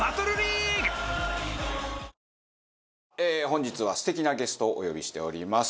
本日は素敵なゲストをお呼びしております。